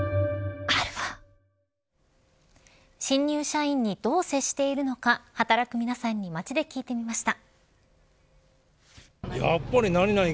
新入社員にどう接しているのか働く皆さんに街で聞いてみました。